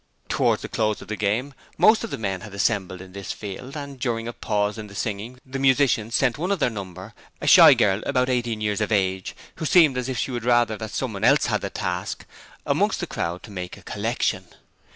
Towards the close of the game most of the men had assembled in this field, and during a pause in the singing the musicians sent one of their number, a shy girl about eighteen years of age who seemed as if she would rather that someone else had the task amongst the crowd to make a collection.